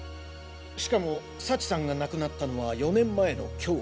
しかも幸さんが亡くなったのは４年前の今日。